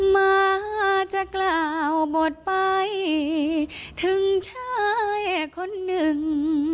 มาจากเหล่าบทไปถึงใช้คนนึง